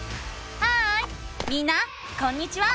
ハーイみんなこんにちは！